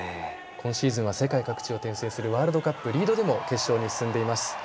今シーズンは世界各地を転戦するワールドカップリードでも決勝に進んでいます。